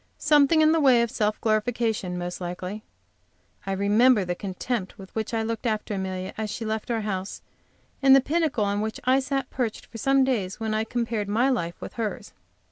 Something in the way of self glorification, most likely. I remember the contempt with which I looked after Amelia as she left our house, and the pinnacle on which I sat perched for some days, when I compared my life with hers.